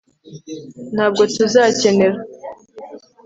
ntabwo tuzakenera